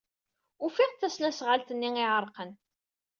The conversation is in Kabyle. Ufiɣ-d tasnasɣalt-nni iɛerqen.